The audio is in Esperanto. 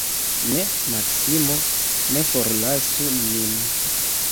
Ne, Maksimo, ne forlasu nin.